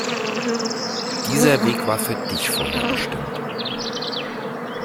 Dieser Weg war für dich vorherbestimmt.